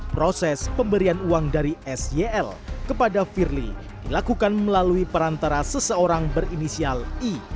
proses pemberian uang dari syl kepada firly dilakukan melalui perantara seseorang berinisial i